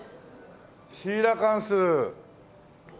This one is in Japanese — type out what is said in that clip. シーラカンス。